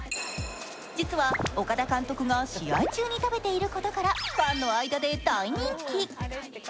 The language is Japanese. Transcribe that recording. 実は岡田監督が試合中に食べていることからファンの間で大人気。